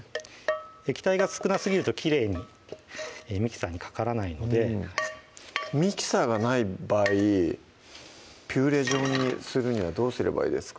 液体が少なすぎるときれいにミキサーにかからないのでミキサーがない場合ピューレ状にするにはどうすればいいですか？